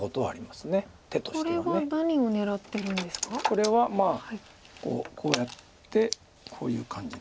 これはこうやってこういう感じ。